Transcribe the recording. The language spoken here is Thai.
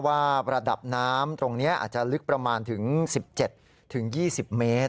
ว่าระดับน้ำตรงนี้อาจจะลึกประมาณถึง๑๗๒๐เมตร